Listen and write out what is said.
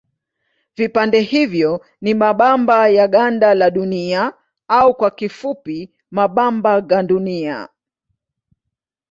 Vipande hivyo ni mabamba ya ganda la Dunia au kwa kifupi mabamba gandunia.